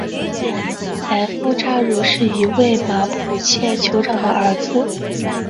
莱夫扎茹是一位马普切酋长的儿子。